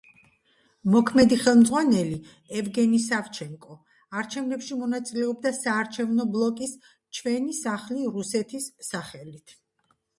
მოქმედი ხელმძღვანელი, ევგენი სავჩენკო არჩევნებში მონაწილეობდა საარჩევნო ბლოკის „ჩვენი სახლი რუსეთის“ სახელით.